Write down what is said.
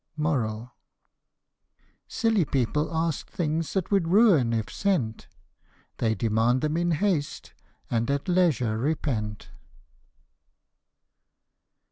Silly people ask things that would ruin, if sent ; They demand them in haste, and at leisure repent.